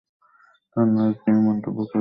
তার নাচ নিয়ে মন্তব্য করেছিলাম।